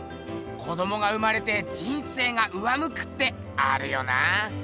子どもが生まれて人生が上むくってあるよな。